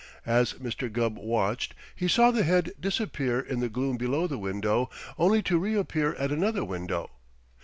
As Mr. Gubb watched, he saw the head disappear in the gloom below the window only to reappear at another window.